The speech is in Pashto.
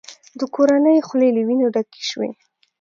د کورنۍ خولې له وینو ډکې شوې.